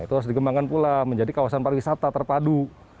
itu harus dikembangkan pula menjadi kawasan pariwisata terpadu